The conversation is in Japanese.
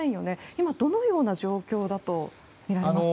今、どのような状況だとみられますか？